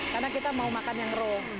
karena kita mau makan yang raw